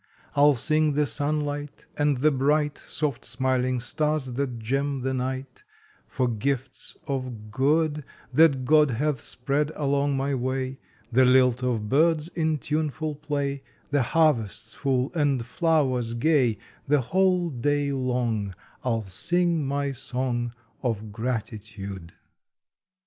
I ll sing the sunlight, and the bright Soft smiling stars that gem the night; For gifts of good That God hath spread along my way, The lilt of birds in tuneful play, The harvests full and flowers gay, The whole day long I ll sing my song Of gratitude!